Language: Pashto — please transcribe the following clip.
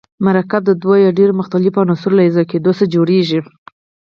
مرکب د دوه یا ډیرو مختلفو عناصرو له یوځای کیدو جوړیږي.